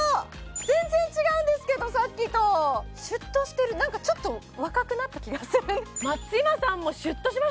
全然違うんですけどさっきとシュッとしてるなんかちょっと若くなった気がする松嶋さんもシュッとしましたね